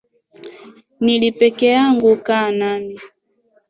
Nili pekee yangu, kaa nami.